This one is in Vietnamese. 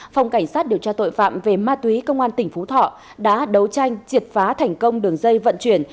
phòng cảnh sát điều tra tội phạm về ma túy công an tỉnh phú thọ đã đấu tranh triệt phá thành công đường dây vận chuyển